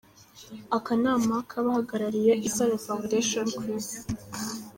Akanama k’abahagarariye Isaro Foundation ku Isi.